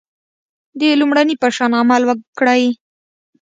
د لومړني په شان عمل وکړئ.